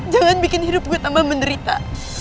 jangan bikin hidup gue tambah menderita